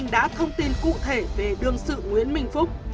đã thông tin cụ thể về đương sự nguyễn minh phúc